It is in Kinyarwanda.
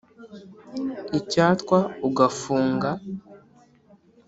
Icyatwa ugafunga